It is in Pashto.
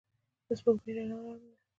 د سپوږمۍ رڼا نرمه ده